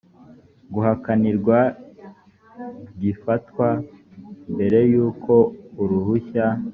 guhakanirwa gifatwa mbere yuko uruhushya